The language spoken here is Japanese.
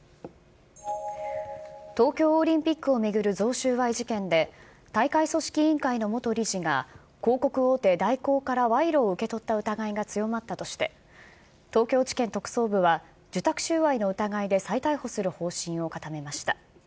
東京オリンピックを巡る贈収賄事件で、大会組織委員会の元理事が、広告大手、大広から賄賂を受け取った疑いが強まったとして、東京地検特捜部は、受託収賄の疑いで再逮捕する方針を固めました。